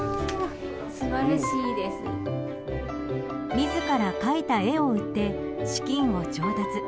自ら描いた絵を売って資金を調達。